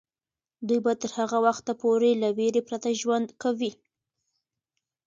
دوی به تر هغه وخته پورې له ویرې پرته ژوند کوي.